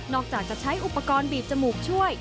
อกจากจะใช้อุปกรณ์บีบจมูกช่วย